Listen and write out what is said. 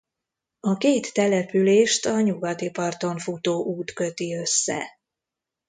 A két települést a nyugati parton futó út köti össze.